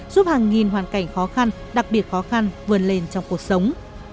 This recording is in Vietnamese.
giúp hàng nghìn hoàn cảnh khó khăn đặc biệt khó khăn vươn lên trong cuộc sống